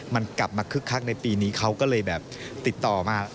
มันกลับมาคึกคักในปีนี้เขาก็เลยแบบติดต่อมา